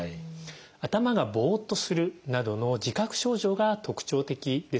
頭がボッとするなどの自覚症状が特徴的です。